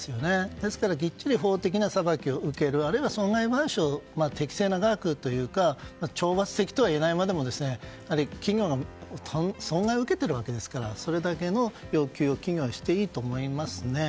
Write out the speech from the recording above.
ですからきっちり法的な裁きを受けるあるいは損害賠償も適正な額というか懲罰的とはいえないまでもやはり企業は損害を受けているわけですからそれだけの要求を企業はしていいと思いますね。